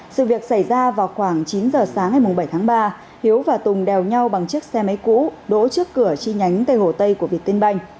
sự việc xảy ra vào khoảng chín giờ sáng ngày bảy tháng ba hiếu và tùng đèo nhau bằng chiếc xe máy cũ đỗ trước cửa chi nhánh tây hồ tây của việt tiên banh